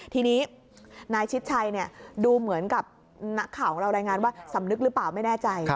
ทีนี้นายชิดชัยดูเหมือนกับนักข่าวของเรารายงานว่าสำนึกหรือเปล่าไม่แน่ใจ